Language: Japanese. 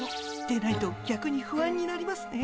出ないとぎゃくに不安になりますね。